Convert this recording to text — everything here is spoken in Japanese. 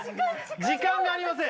時間がありません！